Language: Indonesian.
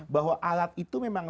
bahwa alat itu memang